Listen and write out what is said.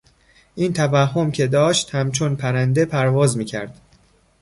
این توهم که داشت همچون پرنده پرواز میکرد